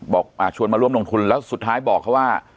ชวนมาร่วมลงทุนแล้วสุดท้ายบอกเขาว่า